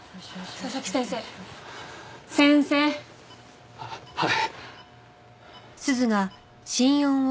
佐々木先生先生！ははい。